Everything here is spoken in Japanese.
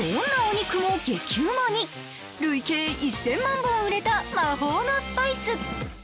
累計１０００万本売れた魔法のスパイス。